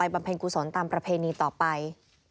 เพ็ญกุศลตามประเพณีต่อไป